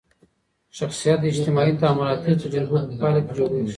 شخصیت د اجتماعي تعاملاتي تجربو په پایله کي جوړېږي.